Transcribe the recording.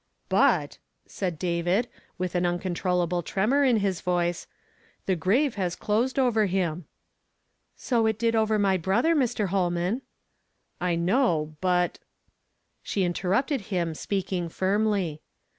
"But," said David, with an uncontrollable tremor in his voice, ' Mie grave has closed over him." " So it did over my brother, Mr. Holman." "I know — but" She interrupted him, speaking firmly.